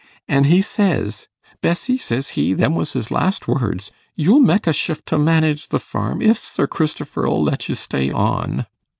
An' he says, "Bessie," says he them was his last words "you'll mek a shift to manage the farm, if Sir Christifer 'ull let you stay on."